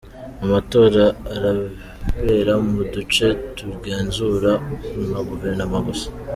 Amatora arabera mu duce tugenzurwa na guverinoma gusa.